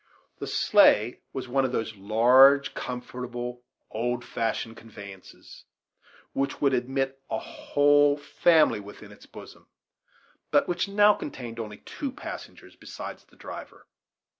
The sleigh was one of those large, comfortable, old fashioned conveyances, which would admit a whole family within its bosom, but which now contained only two passengers besides the driver.